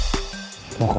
lah itu pangeran